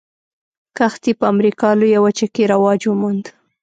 کښت یې په امریکا لویه وچه کې رواج وموند.